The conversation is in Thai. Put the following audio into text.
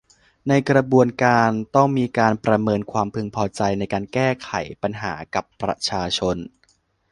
ในกระบวนการต้องมีการประเมินความพึงพอใจในการแก้ไขปัญหากับประชาชน